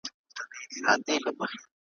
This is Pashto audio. په ویښه او په خوب مي دا یو نوم پر زړه اورېږي ,